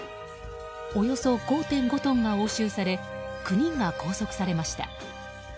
およそ５．５トンが押収され９人が拘束されました。